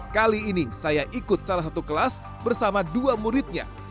kali ini saya ikut salah satu kelas bersama dua muridnya